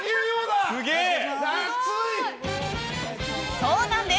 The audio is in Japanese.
そうなんです。